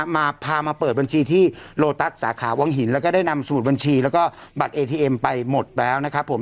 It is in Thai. มาพามาเปิดบัญชีที่โลตัสสาขาวังหินแล้วก็ได้นำสมุดบัญชีแล้วก็บัตรเอทีเอ็มไปหมดแล้วนะครับผม